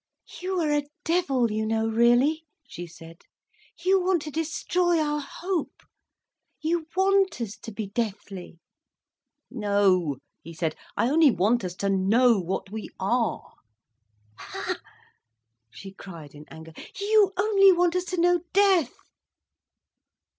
"You are a devil, you know, really," she said. "You want to destroy our hope. You want us to be deathly." "No," he said, "I only want us to know what we are." "Ha!" she cried in anger. "You only want us to know death."